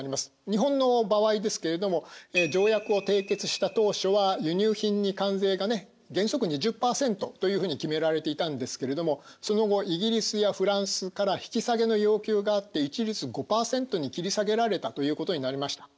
日本の場合ですけれども条約を締結した当初は輸入品に関税がね原則２０％というふうに決められていたんですけれどもその後イギリスやフランスから引き下げの要求があって一律５％に切り下げられたということになりました。